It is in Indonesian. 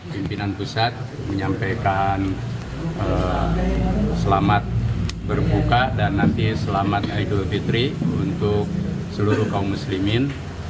pimpinan pusat menyampaikan selamat berbuka dan nanti selamat idul fitri untuk seluruh kaum muslimin